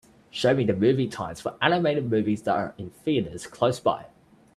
Show me the movie times for animated movies that are in theaters close by